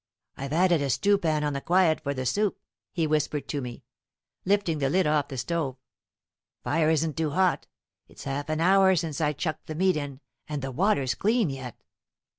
"I've added a stewpan on the quiet for the soup," he whispered to me. Lifting the lid of the stove "Fire isn't too hot. It's half an hour since I chucked the meat in, and the water's clean yet."